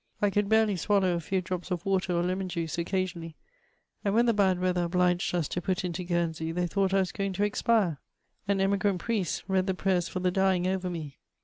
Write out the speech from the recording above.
I could barely swallow a few drops of water or lemon juice occasionally, and when the bad weather obliged us to put into Guernsey, they thought I was going to expire ; an emigrant priest read the prayers for the dying over me.